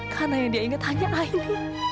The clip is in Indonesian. karena yang dia ingat hanya aili